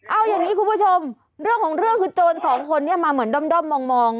เอาอย่างนี้คุณผู้ชมเรื่องของเรื่องคือโจรสองคนนี้มาเหมือนด้อมมอง